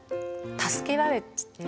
助けられてた。